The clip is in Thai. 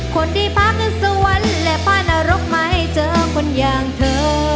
คนที่พาขึ้นสวรรค์และพรรณรกไม่เจอคนอย่างเธอ